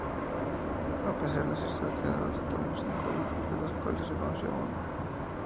A pesar de ser sacerdote, tuvo cinco hijos, de los cuales reconoció uno.